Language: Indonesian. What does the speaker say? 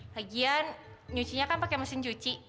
lagian nyucinya kan pakai mesin cuci